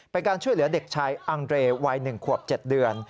เป็นการช่วยเหลือเด็กชายอังเรย์วัย๑ขวบ๗เดือน